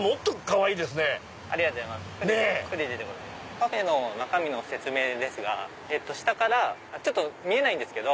パフェの中身の説明ですが下から見えないんですけど。